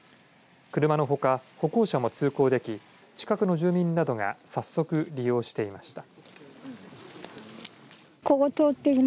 車のほか、歩行者も通行でき近くの住民などが早速利用していました。